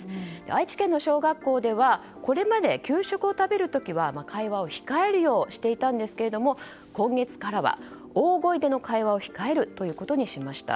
愛知県の小学校ではこれまで給食を食べる時は会話を控えるようにしていたんですが今月からは大声での会話を控えるということにしました。